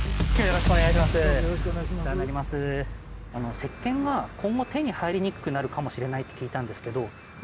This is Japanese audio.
せっけんが今後手に入りにくくなるかもしれないって聞いたんですけど。